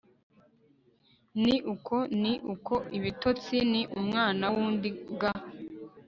ni uko ni uko Ibitotsi ni umwana wundi ga